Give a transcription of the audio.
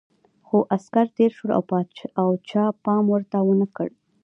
خو عسکر تېر شول او چا پام ورته ونه کړ.